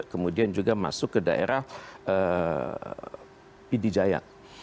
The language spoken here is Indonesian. kemudian juga masuk ke daerah pidijaya